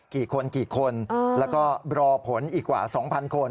กี่คนแล้วก็รอผลอีกกว่า๒๐๐๐คน